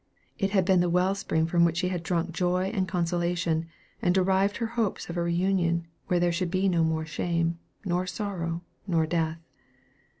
It had been the well spring from which she had drunk joy and consolation, and derived her hopes of a reunion where there should be no more shame, nor sorrow, nor death.